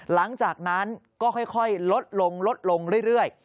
หลังจากนั้นก็ค่อยลดลงลดลงเรื่อย